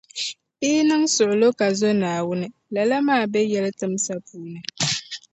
Yi yi niŋ suɣulo, ka zo Naawuni, lala maa be yɛlitimsa puuni.